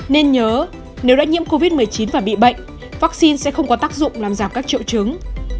nên nhớ nếu đã nhiễm covid một mươi chín và bị bệnh vaccine sẽ không có tác dụng làm giảm các triệu chứng